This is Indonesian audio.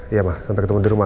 iya pak sampai ketemu di rumah